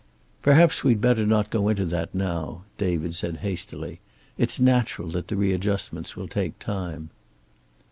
"Perhaps we'd better not go into that now," David said hastily. "It's natural that the readjustments will take time."